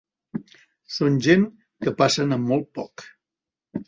Són gent que passen amb molt poc.